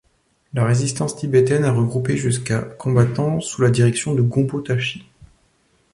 La résistance tibétaine a regroupé jusqu'à combattants, sous la direction de Gompo Tashi.